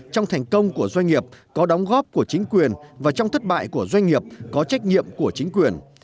trong thành công của doanh nghiệp có đóng góp của chính quyền và trong thất bại của doanh nghiệp có trách nhiệm của chính quyền